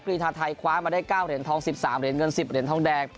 กรีธาไทยคว้ามาได้๙เหรียญทอง๑๓เหรียญเงิน๑๐เหรียญทองแดง